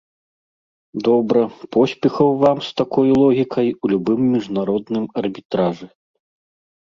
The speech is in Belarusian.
Добра, поспехаў вам з такою логікай у любым міжнародным арбітражы.